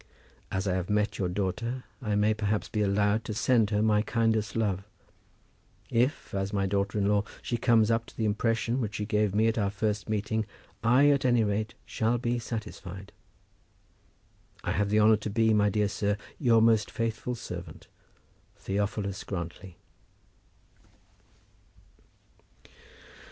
As I have met your daughter, I may perhaps be allowed to send her my kindest love. If, as my daughter in law, she comes up to the impression which she gave me at our first meeting, I, at any rate, shall be satisfied. I have the honour to be, my dear sir, Your most faithful servant, THEOPHILUS GRANTLY.